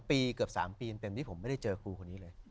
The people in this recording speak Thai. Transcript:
ปีเกือบ๓ปีเต็มที่ผมไม่ได้เจอครูคนนี้เลย